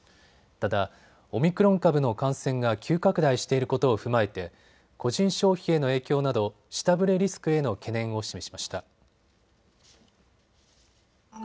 ただオミクロン株の感染が急拡大していることを踏まえて個人消費への影響など下振れリスクへの懸念を示しました。